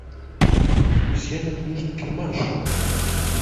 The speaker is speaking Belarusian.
Усе на кніжны кірмаш!